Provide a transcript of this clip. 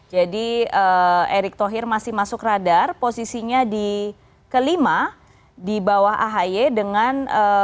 jadi erik thohir masih masuk radar posisinya di kelima di bawah ahy dengan sembilan dua